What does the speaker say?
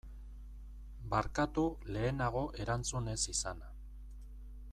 Barkatu lehenago erantzun ez izana.